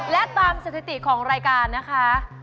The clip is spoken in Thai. และตามสถิติของรายการนะคะ